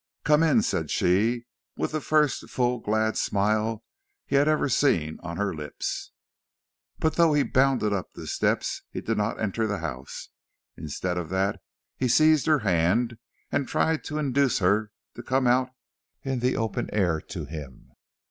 "Come in," said she, with the first full glad smile he had ever seen on her lips. But though he bounded up the steps he did not enter the house. Instead of that he seized her hand and tried to induce her to come out in the open air to him.